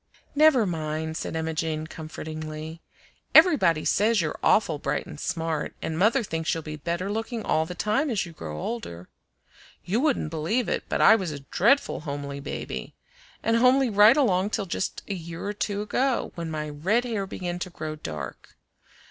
"Never mind!" said Emma Jane comfortingly. "Everybody says you're awful bright and smart, and mother thinks you'll be better looking all the time as you grow older. You wouldn't believe it, but I was a dreadful homely baby, and homely right along till just a year or two ago, when my red hair began to grow dark.